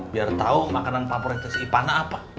biar tahu makanan favoritas ipana apa